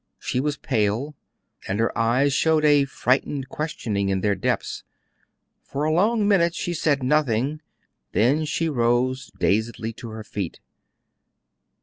She was pale, and her eyes showed a frightened questioning in their depths. For a long minute she said nothing, then she rose dazedly to her feet.